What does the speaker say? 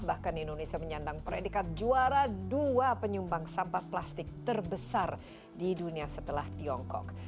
bahkan indonesia menyandang predikat juara dua penyumbang sampah plastik terbesar di dunia setelah tiongkok